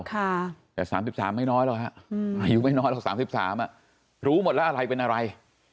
แต่๓๓ไม่น้อยหรอกฮะอายุไม่น้อยหรอก๓๓รู้หมดแล้วอะไรเป็นอะไร